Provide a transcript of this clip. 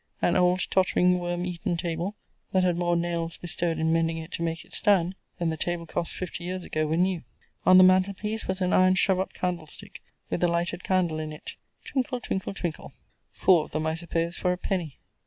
An old, tottering, worm eaten table, that had more nails bestowed in mending it to make it stand, than the table cost fifty years ago, when new. On the mantle piece was an iron shove up candlestick, with a lighted candle in it, twinkle, twinkle, twinkle, four of them, I suppose, for a penny.